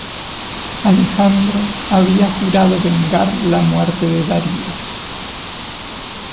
Alejandro había jurado vengar la muerte de Darío.